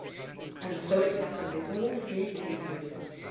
And so it happened in all three cases.